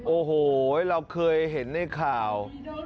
โอ้โหเราเคยเห็นในข่าว